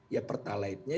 ya pertalaid nya